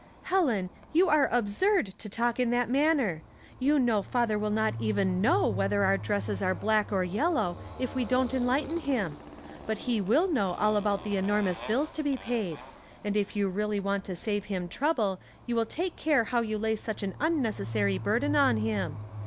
" Helen, you are absurd to talk in that manner. You know father will not even know whether our dresses are black or yellow if we don't enlighten him ; but he will know all about the enormous bills to be paid ; and if you really want to save him trouble you will take care how you lay such an unnecessary burden on him.